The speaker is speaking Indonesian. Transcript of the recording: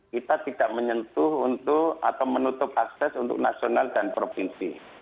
kita tidak menyentuh untuk atau menutup akses untuk nasional dan provinsi